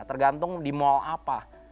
tergantung di mall apa